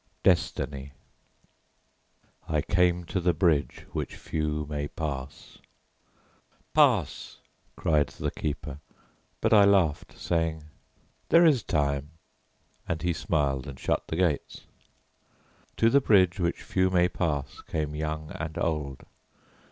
DESTINY I came to the bridge which few may pass. "Pass!" cried the keeper, but I laughed, saying, "There is time;" and he smiled and shut the gates. To the bridge which few may pass came young and old.